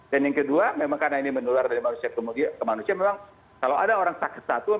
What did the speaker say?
dan yang kedua memang karena ini menular dari manusia ke manusia memang kalau ada orang sakit satu